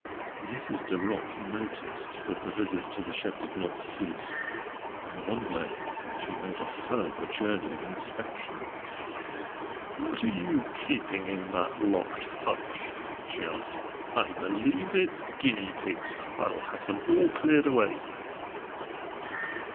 Mrs. de Ropp noticed that the visits to the shed did not cease, and one day she made a further journey of inspection. "What are you keeping in that locked hutch?" she asked. "I believe it's guinea pigs. I'll have them all cleared away."